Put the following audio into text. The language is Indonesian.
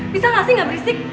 bisa gak sih gak berisik